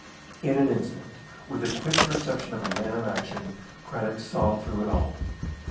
In an instant, with the quick perception of a man of action, Craddock saw through it all.